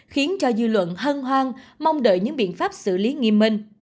khiến cho dư luận hân hoan mong đợi những biện pháp xử lý nghiêm minh